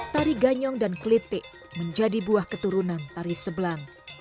tari ganyong dan klitik menjadi buah keturunan tari sebelang